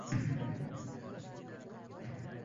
U yoq-bu yog`iga qaradi